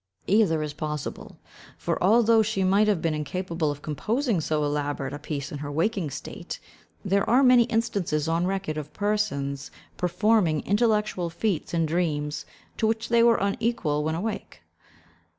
Either is possible, for, although she might have been incapable of composing so elaborate a piece in her waking state, there are many instances on record of persons performing intellectual feats in dreams, to which they were unequal when awake.